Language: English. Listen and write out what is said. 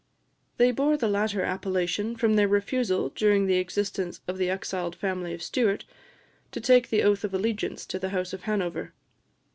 They bore the latter appellation from their refusal, during the existence of the exiled family of Stewart, to take the oath of allegiance to the House of Hanover.